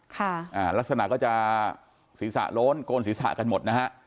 ค่ะอ่าลักษณะก็จะศีรษะโล้นโกนศีรษะกันหมดนะฮะ